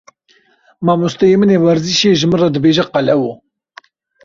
Mamosteyê min ê werzîşê ji min re dibêje qelewo.